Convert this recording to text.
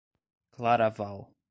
Claraval